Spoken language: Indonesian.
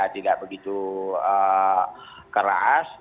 tidak begitu keras